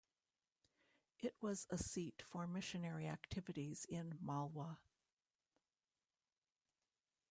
It was a seat for missionary activities in Malwa.